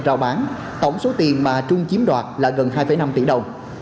trao bán tổng số tiền mà trung chiếm đoạt là gần hai năm tỷ đồng